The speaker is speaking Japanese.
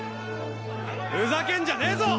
ふざけんじゃねえぞ！